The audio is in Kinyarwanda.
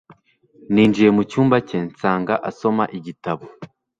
Ninjiye mucyumba cye nsanga asoma igitabo